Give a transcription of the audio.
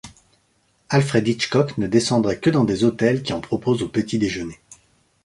Alfred Hitchcock ne descendrait que dans des hôtels qui en proposent au petit-déjeuner.